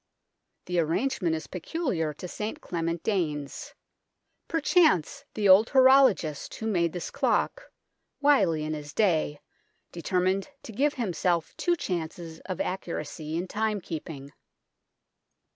The arrangement is peculiar to St Clement Danes. Perchance the old horologist who made this clock, wily in his day, determined to give himself two chances of accuracy in time keeping.